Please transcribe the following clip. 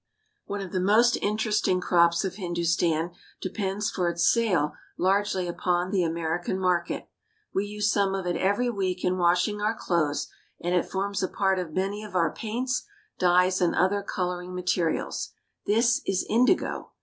One of the most interesting crops of Hindustan depends for its sale largely upon the American market. We use some of it every week in washing our clothes, and it forms a part of many of our paints, dyes, and other coloring materials. This is indigo.